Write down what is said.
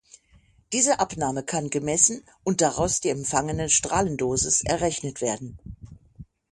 Diese Abnahme kann gemessen und daraus die empfangene Strahlendosis errechnet werden.